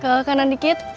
ke kanan dikit